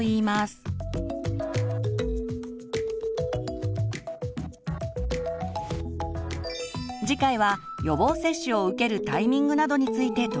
次回は予防接種を受けるタイミングなどについて取り上げます。